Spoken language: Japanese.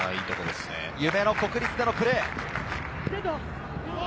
夢の国立でのプレー。